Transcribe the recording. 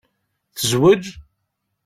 Tezweǧ?